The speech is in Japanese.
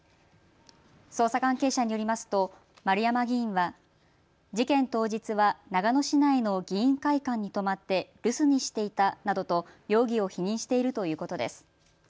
捜査関係者によりますと丸山議員は事件当日は長野市内の議員会館に泊まって留守にしていたなどと容疑を否認しているということです。